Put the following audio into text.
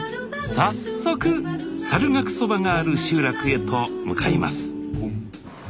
早速猿楽そばがある集落へと向かいます